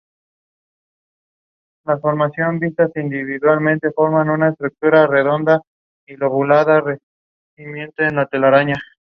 Hijo de Felipe de Nemours.